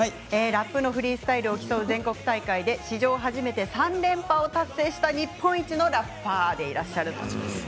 ラップのフリースタイルを競う全国大会で史上初めて３連覇を達成した日本一のラッパーでいらっしゃいます。